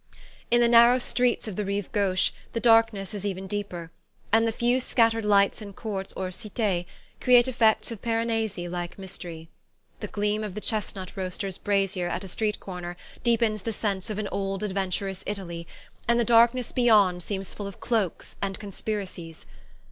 In the narrow streets of the Rive Gauche the darkness is even deeper, and the few scattered lights in courts or "cites" create effects of Piranesi like mystery. The gleam of the chestnut roaster's brazier at a street corner deepens the sense of an old adventurous Italy, and the darkness beyond seems full of cloaks and conspiracies.